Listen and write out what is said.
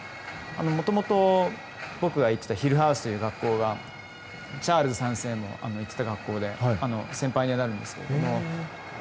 もともと、僕が行っていた学校がチャールズ３世も行ってた学校で先輩になるんですけども。